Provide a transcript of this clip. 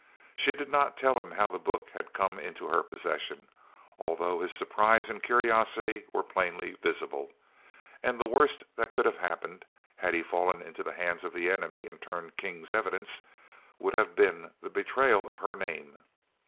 She did not tell him how the book had come into her possession, although his surprise and curiosity were plainly visible, and the worst that could have happened, had he fallen into the hands of the enemy and turned King's evidence, would have been the betrayal of her name.